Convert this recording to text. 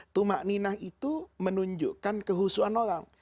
tumakninah itu menunjukkan kehusuhan orang